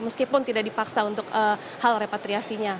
meskipun tidak dipaksa untuk hal repatriasinya